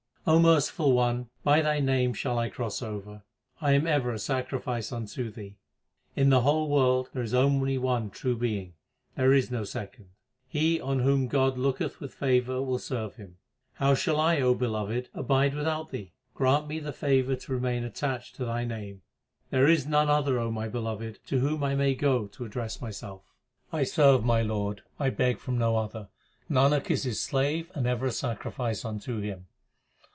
O Merciful One, by Thy name shall I cross over ; I am ever a sacrifice unto Thee. In the whole world there is only one True Being ; there is no second. He on whom God looketh with favour will serve Him. How shall I, O Beloved, abide without Thee ? Grant me the favour to remain attached to Thy name. 1 Literally woman. HYMNS OF GURU NANAK 337 There is none other, O my Beloved, to whom I may go to address myself. I serve my Lord, I beg from no other : Nanak is His slave and ever a sacrifice unto Him.